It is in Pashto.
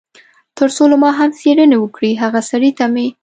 تر څو له ما هم څېړنې وکړي، هغه سړي ته مې.